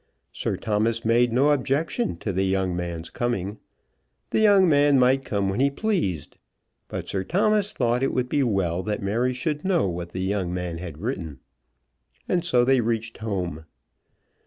Sir Thomas made no objection to the young man's coming. The young man might come when he pleased. But Sir Thomas thought it would be well that Mary should know what the young man had written. And so they reached home.